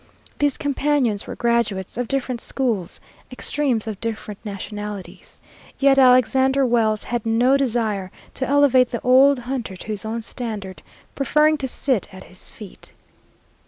These companions were graduates of different schools, extremes of different nationalities. Yet Alexander Wells had no desire to elevate the old hunter to his own standard, preferring to sit at his feet.